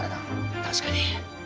確かに。